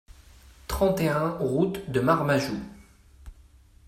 trente et un route du Marmajou